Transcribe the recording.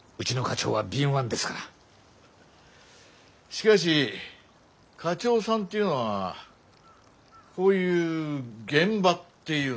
しかし課長さんっていうのはこういう現場っていうんですか？